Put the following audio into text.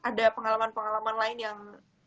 ada pengalaman pengalaman lain yang